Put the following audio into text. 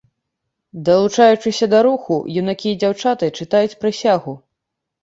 Далучаючыся да руху, юнакі і дзяўчаты чытаюць прысягу.